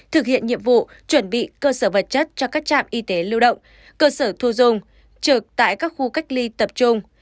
thực hiện nhiệm vụ chuẩn bị cơ sở vật chất cho các trạm y tế lưu động cơ sở thu dung trực tại các khu cách ly tập trung